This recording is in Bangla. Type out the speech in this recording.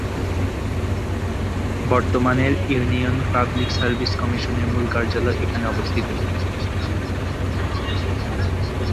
বর্তমানের ইউনিয়ন পাবলিক সার্ভিস কমিশনের মূল কার্যালয় এখানে অবস্থিত।